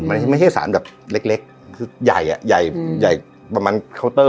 มันไม่ใช่สารแบบเล็กคือใหญ่อ่ะใหญ่ใหญ่ประมาณเคาน์เตอร์